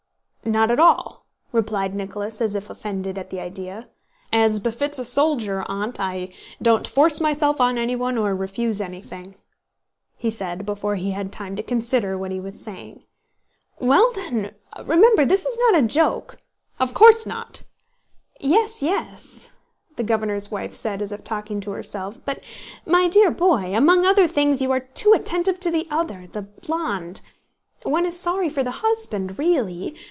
"Not at all," replied Nicholas as if offended at the idea. "As befits a soldier, Aunt, I don't force myself on anyone or refuse anything," he said before he had time to consider what he was saying. "Well then, remember, this is not a joke!" "Of course not!" "Yes, yes," the governor's wife said as if talking to herself. "But, my dear boy, among other things you are too attentive to the other, the blonde. One is sorry for the husband, really...."